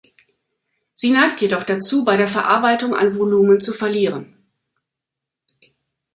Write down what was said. Sie neigt jedoch dazu, bei der Verarbeitung an Volumen zu verlieren.